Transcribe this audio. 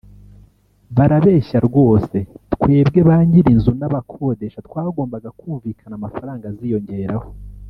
”Barabeshya rwose twebwe bany’ir’inzu n’abakodesha twagombaga kumvikana amafaranga aziyongeraho